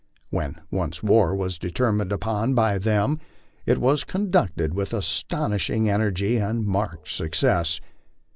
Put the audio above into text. When once war was determined upon by them, it was conducted with astonishing energy and marked success.